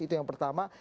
itu yang pertama